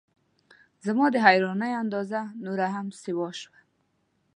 زما د حیرانۍ اندازه نوره هم سیوا شوه.